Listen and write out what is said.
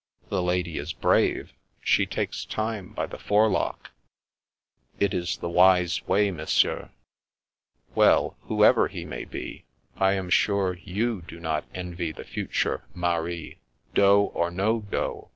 " The lady is brave. She takes time by the fore lock." " It is the wise way, Monsieur." " Well, whoever he may be, I am sure you do not envy the future mari, dot or no dot.